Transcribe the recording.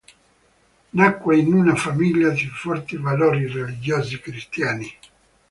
Nacque in una famiglia di forti valori religiosi cristiani.